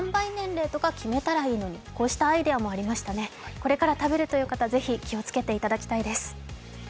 これから食べるという方、ぜひ気をつけていただきたいです。